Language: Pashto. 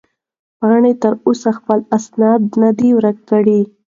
پاڼې تر اوسه خپل اسناد نه دي ورکړي.